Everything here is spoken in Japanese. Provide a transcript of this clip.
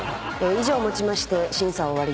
以上をもちまして審査は終わりです。